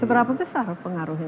seberapa besar pengaruhnya